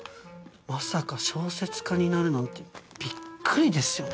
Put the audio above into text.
まさか小説家になるなんてビックリですよね。